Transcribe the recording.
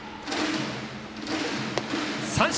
三振！